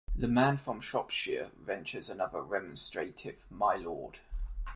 The man from Shropshire ventures another remonstrative "My lord!"